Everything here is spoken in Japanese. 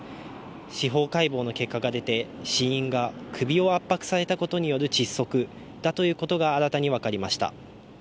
司法解剖の結果が出て死因が首を圧迫されたことによる窒息だということが新たに分かりました。